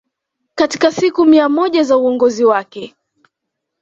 katika siku mia moja za uongozi wake